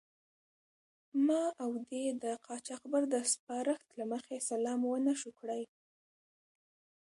ما او دې د قاچاقبر د سپارښت له مخې سلام و نه شو کړای.